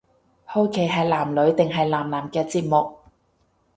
好奇係男女定係男男嘅節目